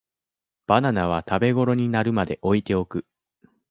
バナナは食べごろになるまで置いておく